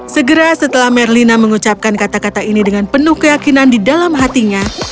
segera setelah merlina mengucapkan kata kata ini dengan penuh keyakinan di dalam hatinya